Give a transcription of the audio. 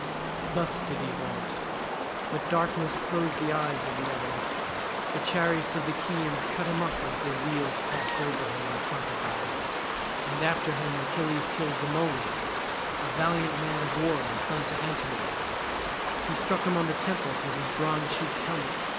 Thus did he vaunt, but darkness closed the eyes of the other. The chariots of the Achaeans cut him up as their wheels passed over him in the front of the battle, and after him Achilles killed Demoleon, a valiant man of war and son to Antenor. He struck him on the temple through his bronze cheeked helmet.